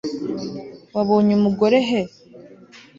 wabonye umugore he